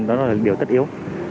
đó là điều tất yếu